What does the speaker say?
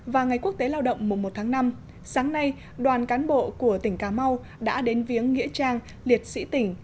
và ngày quốc tế lao động mùa một tháng năm sáng nay đoàn cán bộ của tỉnh cà mau đã đến viếng nghĩa trang liệt sĩ tỉnh